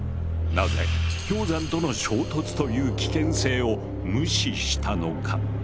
なぜ氷山との衝突という危険性を無視したのか？